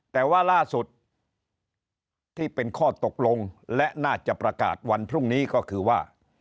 แต่ว่าล่าสุดที่เป็นข้อตกลงและน่าจะประกาศวันพรุ่งนี้ก็คือว่า